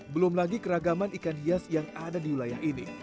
belum lagi keragaman ikan hias yang ada di wilayah ini